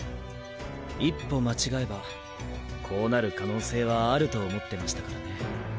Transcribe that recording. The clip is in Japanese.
一歩間違えばこうなる可能性はあると思ってましたからね。